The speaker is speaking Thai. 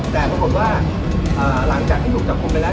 แต่ปรากฏว่าหลังจากที่ถูกจับกลุ่มไปแล้ว